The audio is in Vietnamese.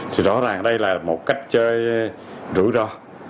thì rõ ràng đây là một cách chơi rủi ro